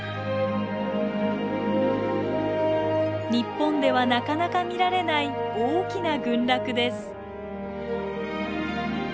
日本ではなかなか見られない大きな群落です。